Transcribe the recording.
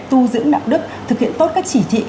tu dưỡng đạo đức thực hiện tốt các chỉ thị